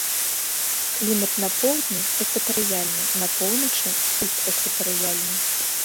Клімат на поўдні экватарыяльны, на поўначы субэкватарыяльны.